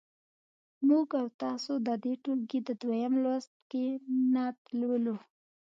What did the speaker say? موږ او تاسو د دې ټولګي دویم لوست کې نعت لولو.